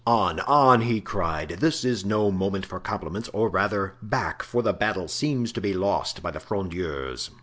"On, on!" he cried, "this is no moment for compliments; or rather, back, for the battle seems to be lost by the Frondeurs."